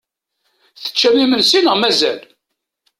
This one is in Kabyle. Teččam imensi neɣ mazal?